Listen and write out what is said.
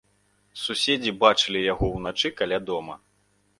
Суседзі бачылі яго ўначы каля дома.